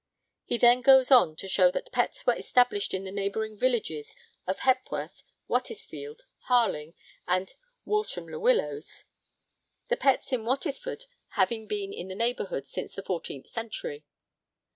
He then goes on to show that Petts were established in the neighbouring villages of Hepworth, Wattisfield, Harling, and Walsham le Willows; the Petts at Wattisfield having been in the neighbourhood since the 14th century.